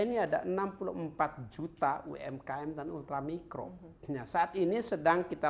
ini ada enam puluh empat juta umkm dan ultramikro nah saat ini sedang kita